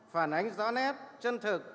phản ánh rõ nét chân thực